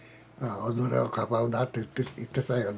「己をかばうな」って言ってたよな